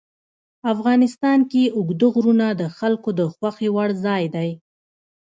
افغانستان کې اوږده غرونه د خلکو د خوښې وړ ځای دی.